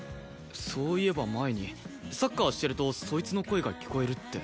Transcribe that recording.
そういえば前にサッカーしてるとそいつの声が聞こえるって。